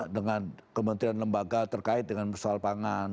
dengan kementerian lembaga terkait dengan soal pangan